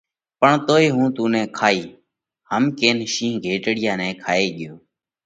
پڻ توئي هُون تُون نئہ کائِيه۔ هم ڪينَ شِينه گھيٽڙيا نئہ کائي ڳيو۔